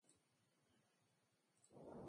Esto es más que la suma de las partes individuales.